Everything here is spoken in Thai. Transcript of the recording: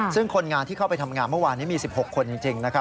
ซึ่งคนงานที่เข้าไปทำงานเมื่อวานนี้มี๑๖คนจริงนะครับ